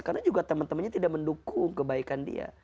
karena juga teman temannya tidak mendukung kebaikan dia